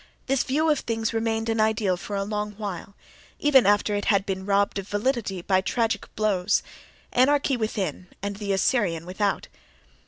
—This view of things remained an ideal for a long while, even after it had been robbed of validity by tragic blows: anarchy within and the Assyrian without.